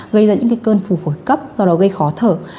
gây ra những cái cơn phù phổi cấp do đó gây khó thở